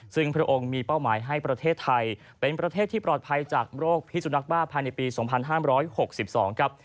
ซึ่งพระองค์มีเป้าหมายให้ประเทศไทยเป็นประเทศที่ปลอดภัยจากโรคพิสุนักบ้าภายในปี๒๕๖๒ครับ